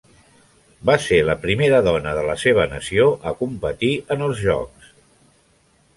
Va ser la primera dona de la seva nació a competir en els Jocs.